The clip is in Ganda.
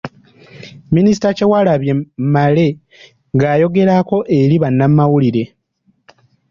Minisita Kyewalabye Male ng’ayogerako eri bannamawulire.